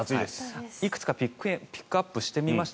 いくつかピックアップしてみました。